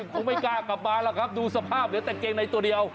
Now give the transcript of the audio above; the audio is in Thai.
คงไม่กล้ากลับมาหรอกครับดูสภาพเหลือแต่เกงในตัวเดียว